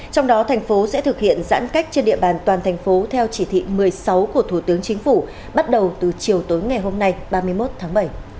trong đó thành phố sẽ thực hiện giãn cách trên địa bàn toàn thành phố theo chỉ thị một mươi sáu của thủ tướng chính phủ bắt đầu từ chiều tối ngày hôm nay ba mươi một tháng bảy